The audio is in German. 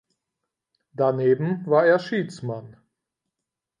Daneben war er Schiedsmann.